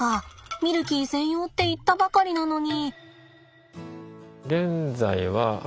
ミルキー専用って言ったばかりなのに。